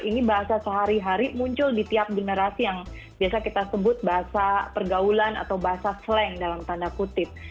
ini bahasa sehari hari muncul di tiap generasi yang biasa kita sebut bahasa pergaulan atau bahasa slang dalam tanda kutip